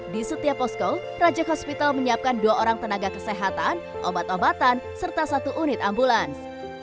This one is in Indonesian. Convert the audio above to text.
di setiap posko rajak hospital menyiapkan dua orang tenaga kesehatan obat obatan serta satu unit ambulans